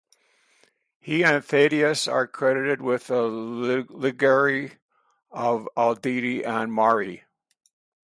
He and Thaddeus are credited with the "Liturgy of Addai and Mari".